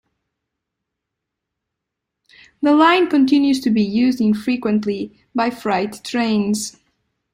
The line continues to be used, infrequently, by freight trains.